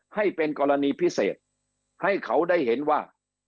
ให้เป็นกรณีพิเศษให้เขาได้เห็นว่า